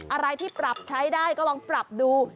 อะไรที่ปรับใช้ได้ก็ลองปรับดู